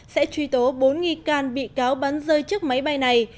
sẽ truy tố bốn can bị cáo bắn rơi trước máy bay này